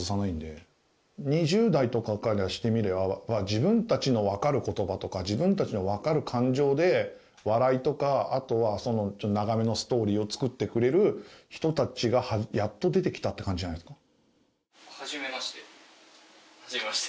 自分たちのわかる言葉とか自分たちのわかる感情で笑いとかあとは長めのストーリーを作ってくれる人たちがやっと出てきたって感じじゃないですか。